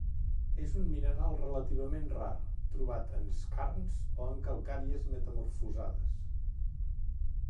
És un mineral relativament rar trobat en skarns o en calcàries metamorfosades.